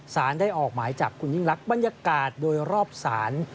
สารได้ออกหมายจับคุณยิ่งลักษณ์บรรยากาศโดยรอบศาล